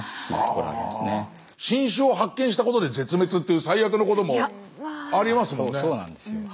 新種を発見したことで絶滅っていう最悪のこともありますもんね。